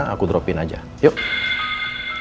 aku drop in aja yuk